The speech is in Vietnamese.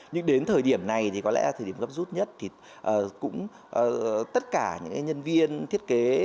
nhưng đến thời điểm này thì có lẽ thời điểm gấp rút nhất thì cũng tất cả những nhân viên thiết kế